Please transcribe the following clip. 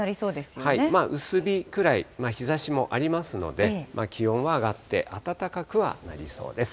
薄日くらい、日ざしもありますので、気温は上がって、暖かくはなりそうです。